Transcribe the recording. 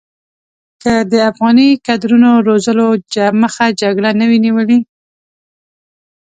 که د افغاني کادرونو روزلو مخه جګړې نه وی نیولې.